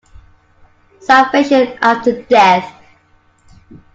Salvation after death.